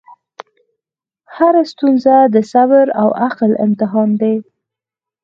هره ستونزه د صبر او عقل امتحان دی.